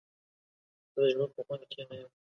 زه د ژوند په خوند کې نه یم.